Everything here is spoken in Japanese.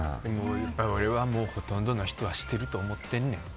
俺はほとんどの人はしてると思ってるねん。